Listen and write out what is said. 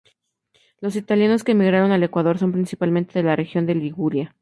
Los italianos que emigraron al Ecuador son principalmente de la región de Liguria.